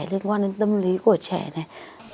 liên quan đến tâm lý của trẻ này